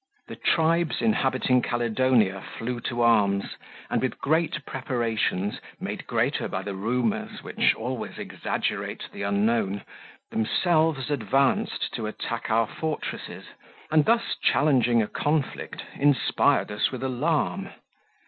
The tribes inhabiting Caledonia flew to arms, and with great preparations, made greater by the rumours which always exaggerate the unknown, themselves advanced to attack our fortresses, and thus challenging a conflict, inspired us with alarm.